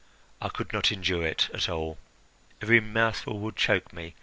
I could not endure it at all! Every mouthful would choke me.